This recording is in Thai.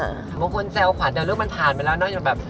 คุณแจ้วขวัญแต่เรื่องมันผ่านไปแล้วเนอะอย่างแบบ